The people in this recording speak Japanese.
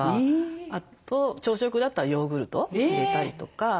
あと朝食だったらヨーグルトを入れたりとか。